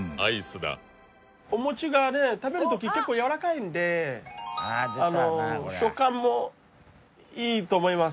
お餅がね食べる時結構やわらかいので食感もいいと思います